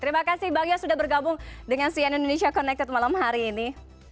terima kasih bang yos sudah bergabung dengan cn indonesia connected malam hari ini